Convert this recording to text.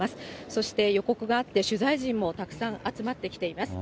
そして予告があって、取材陣もたくさん集まってきています。